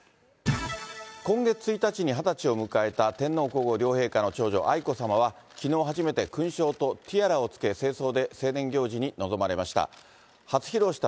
今月１日に２０歳を迎えた天皇皇后両陛下の長女、愛子さまはきのう初めて勲章とティアラを着け、正装で成年行事に臨まれました。